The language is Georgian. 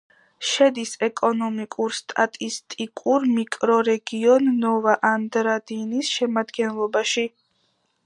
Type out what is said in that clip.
შედის ეკონომიკურ-სტატისტიკურ მიკრორეგიონ ნოვა-ანდრადინის შემადგენლობაში.